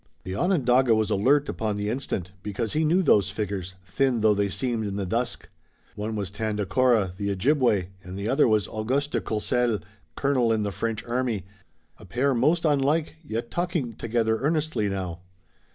The Onondaga was alert upon the instant, because he knew those figures, thin though they seemed in the dusk. One was Tandakora, the Ojibway, and the other was Auguste de Courcelles, Colonel in the French army, a pair most unlike, yet talking together earnestly now.